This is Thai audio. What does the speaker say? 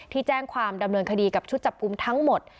แจ้งความดำเนินคดีกับชุดจับกลุ่มทั้งหมด